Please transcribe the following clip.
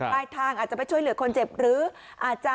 ทางอาจจะไปช่วยเหลือคนเจ็บหรืออาจจะ